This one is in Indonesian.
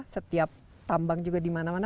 setiap tambang juga dimana mana